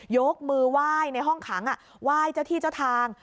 ยกมือไหว้ในห้องขังไหว้เจ้าที่เจ้าทาง